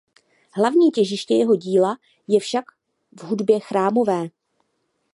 Hlavní těžiště jeho díla je však v hudbě chrámové.